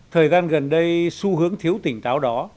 thời gian gần đây xu hướng thiếu tỉnh táo đó